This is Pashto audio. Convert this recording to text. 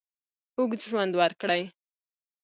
اوږد ژوند ورکړي.